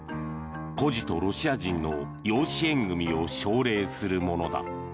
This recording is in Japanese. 孤児とロシア人の養子縁組を奨励するものだ。